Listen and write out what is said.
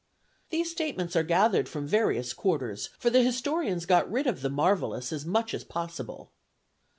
These statements are gathered from various quarters; for the historians got rid of the marvellous as much as possible.